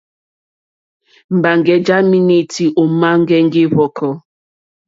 Mbaŋgè ja menuti òma ŋgɛŋgi hvɔkɔ.